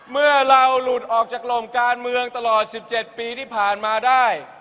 เมื่อเราหลุดออกจากลมการเมืองตลอด๑๗ปีที่ผ่านมาได้